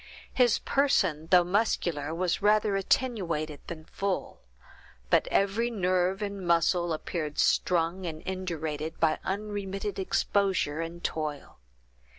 His person, though muscular, was rather attenuated than full; but every nerve and muscle appeared strung and indurated by unremitted exposure and toil.